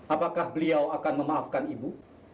apakah beliau akan memaafkan ibu